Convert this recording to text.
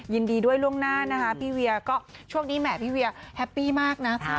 ยินดีด้วยล่วงหน้านะคะพี่เวียก็ช่วงนี้แหมพี่เวียแฮปปี้มากนะ